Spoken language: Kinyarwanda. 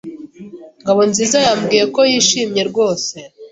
Ngabonziza yambwiye ko yishimye rwose.